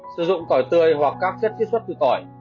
sử dụng tỏi tươi hoặc các chất chiết xuất từ tỏi